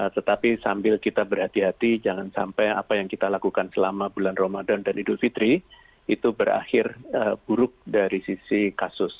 tetapi sambil kita berhati hati jangan sampai apa yang kita lakukan selama bulan ramadan dan idul fitri itu berakhir buruk dari sisi kasus